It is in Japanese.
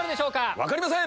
分かりません。